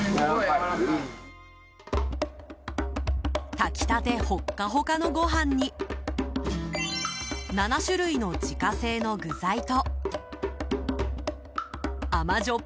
炊きたてホッカホカのご飯に７種類の自家製の具材と甘じょっ